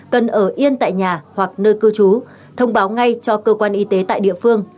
cần ở yên tại nhà hoặc nơi cư trú thông báo ngay cho cơ quan y tế tại địa phương